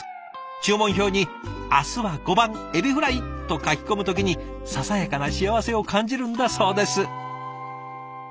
注文表に「明日は５番エビフライ！」と書き込む時にささやかな幸せを感じるんだそうです。